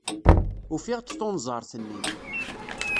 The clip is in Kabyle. Ufiɣ-d tunẓart-nni.